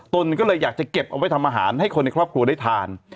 ตนก็เลยอยากจะเก็บเอาไว้ทำอาหารให้คนในครอบครัวได้ทาน